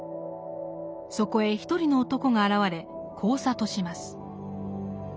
そこへ一人の男が現れこう諭します。